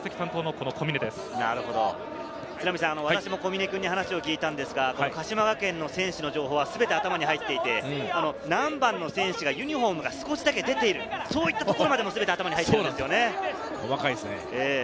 私も小峰君に話を聞いたのですが、鹿島学園の選手の情報は全て頭に入っていて、何番の選手がユニホームが少し出ている、そういう細かいところまで頭に入っているそうです。